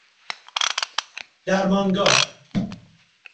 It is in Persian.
درمانگاه